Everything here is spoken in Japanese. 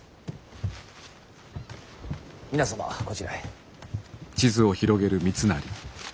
皆様こちらへ。